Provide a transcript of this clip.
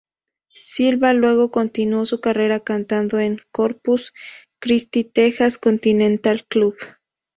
Silva luego continuó su carrera cantando en Corpus Christi Texas Continental Club.